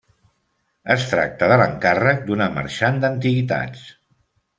Es tracta de l'encàrrec d'una marxant d'antiguitats.